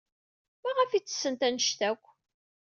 Maɣef ay ttessent anect-a akk?